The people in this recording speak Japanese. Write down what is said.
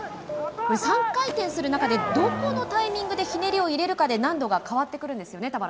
３回転する中でどこのタイミングでひねりを入れるかで難度が変わってくるんですよね